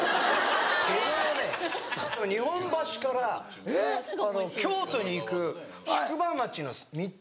江戸のね日本橋から京都に行く宿場町の３つ目。